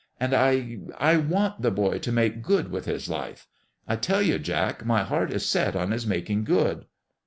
And I I want the boy to make good with his life. I tell you, Jack, my heart is set on his making good